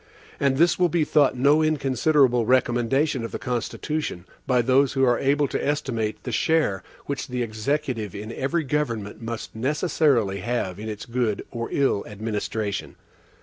And this will be thought no inconsiderable recommendation of the Constitution, by those who are able to estimate the share which the executive in every government must necessarily have in its good or ill administration.